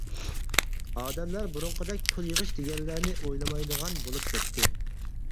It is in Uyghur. ئادەملەر بۇرۇنقىدەك پۇل يىغىش دېگەنلەرنى ئويلىمايدىغان بولۇپ كەتتى.